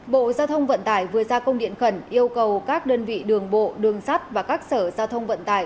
bộ giao thông vận tải vừa ra công điện khẩn yêu cầu các đơn vị đường bộ đường sắt và các sở giao thông vận tải